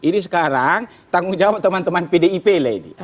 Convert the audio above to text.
ini sekarang tanggung jawab teman teman pdip lagi